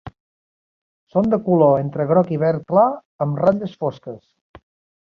Són de color entre groc i verd clar amb ratlles fosques.